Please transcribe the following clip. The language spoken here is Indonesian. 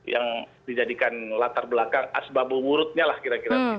yang dijadikan latar belakang asbab umurutnya lah kira kira